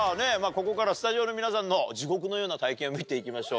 ここからスタジオの皆さんの地獄のような体験を見ていきましょう。